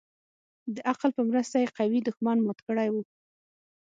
د عقل په مرسته يې قوي دښمن مات كړى و.